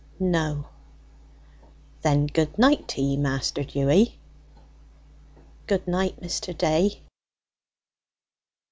"No." "Then good night t'ee, Master Dewy." "Good night, Mr. Day."